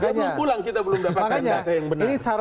kalau mau pulang kita belum dapatkan data yang benar